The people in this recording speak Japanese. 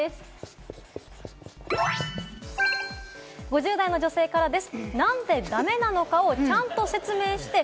５０代の女性からです。